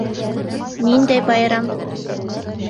Ниндәй байрам?